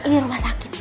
ini rumah sakit